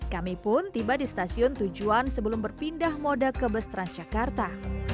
kami pun tiba di stasiun tujuan sebelum berpindah moda ke bus transjakarta